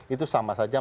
itu sama saja